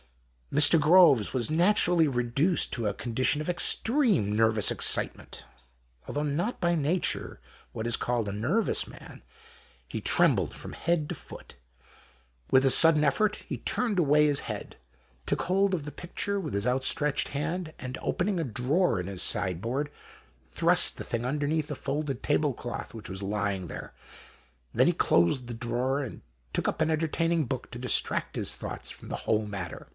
Mr. Groves was naturally reduced to a condition of extreme nervous excitement. Al though not by nature what is called a nervous man, he trembled from head to foot. With a sudden effort, he turned away his head, took hold of the picture with his outstretched hand, and opening a drawer in his sideboard thrust the thing underneath a folded tablecloth which was lying there. Then he closed the drawer and took up an entertaining book to distract his thoughts from the whole matter.